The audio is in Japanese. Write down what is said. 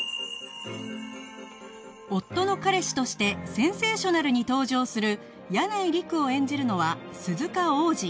夫の彼氏としてセンセーショナルに登場する箭内稟久を演じるのは鈴鹿央士